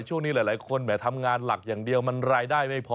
ช่วงนี้หลายคนแหมทำงานหลักอย่างเดียวมันรายได้ไม่พอ